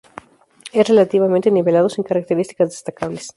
Es relativamente nivelado, sin características destacables.